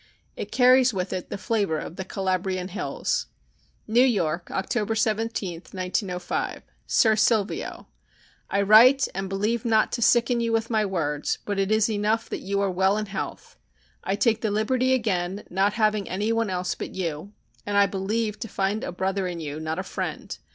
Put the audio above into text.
It carries with it the flavor of the Calabrian hills. NEW YORK, October 17, 1905. SIR SILVIO: I write and believe not to sicken you with my words, but it is enough that you are well in health. I take the liberty again not having any one else but you, and I believe to find a brother in you, not a friend.